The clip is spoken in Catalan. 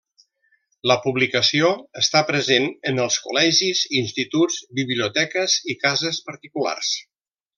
La publicació està present en els col·legis, instituts, biblioteques i cases particulars.